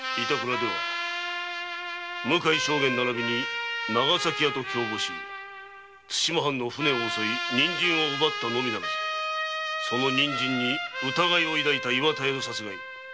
出羽向井将監並びに長崎屋と共謀し対馬藩の船を襲い人参を奪ったのみならずその人参に疑いを抱いた岩田屋を殺害。